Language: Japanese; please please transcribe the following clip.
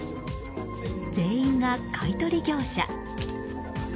全員が買い取り業者。